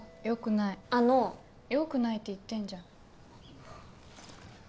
よくないあのよくないって言ってんじゃん